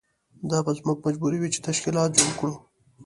دا به زموږ مجبوري وي چې تشکیلات جوړ کړو.